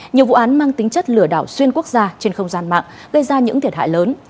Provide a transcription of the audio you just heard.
nhiều vụ án mang tính chất lừa đảo xuyên quốc gia trên không gian mạng gây ra những thiệt hại lớn